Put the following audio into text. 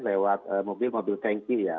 lewat mobil mobil tanki ya